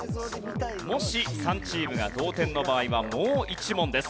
もし３チームが同点の場合はもう１問です。